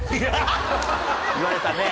言われたね。